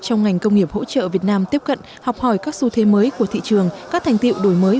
trong ngành công nghiệp hỗ trợ việt nam tiếp cận học hỏi các xu thế mới của thị trường các thành tiệu đổi mới